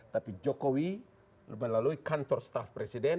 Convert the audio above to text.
tapi jokowi melalui kantor staff presiden